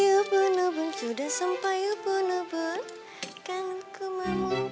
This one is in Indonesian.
aku geleng geleng karena bingung